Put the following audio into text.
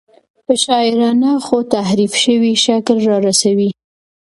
په شاعرانه خو تحریف شوي شکل رارسوي.